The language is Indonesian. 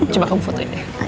coba kamu fotoin deh